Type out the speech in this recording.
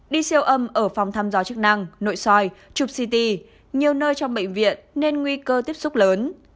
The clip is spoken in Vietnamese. đi siêu âm ở phòng thăm dò chức năng nội soi chụp ct nhiều nơi trong bệnh viện nên nguy cơ tiếp xúc lớn